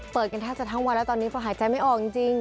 กันแทบจะทั้งวันแล้วตอนนี้พอหายใจไม่ออกจริง